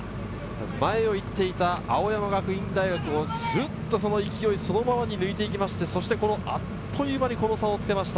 前を行っていた青山学院大学をすっとその勢いそのままに抜いていきまして、あっという間に、この差をつけました。